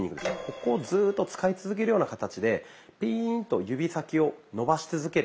ここをずっと使い続けるような形でピーンと指先を伸ばし続ける。